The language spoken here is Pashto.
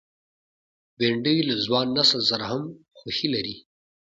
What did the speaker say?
بېنډۍ له ځوان نسل سره هم خوښي لري